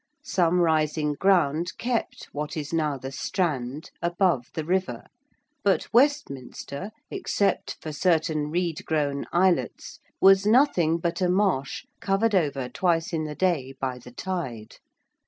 Some rising ground kept what is now the Strand above the river, but Westminster, except for certain reed grown islets, was nothing but a marsh covered over twice in the day by the tide.